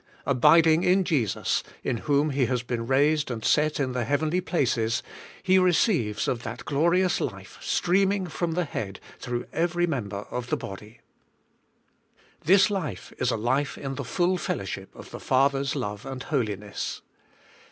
Abiding in Jesus, in whom he has been raised and set in the heavenly places, he receives of that glorious life streaming from the head through every member of the body. This life is a life in the full fellowship of the Father'^ s love and holiness.